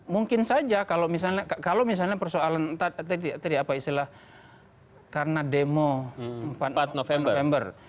mungkin saja kalau misalnya persoalan tadi apa istilah karena demo empat november